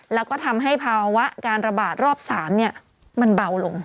แล้วก็ทำให้ภาวะการระบาดรอบ๓มันเบาลง